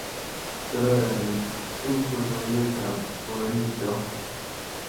Kororon beek eng boiboiyetab borik cho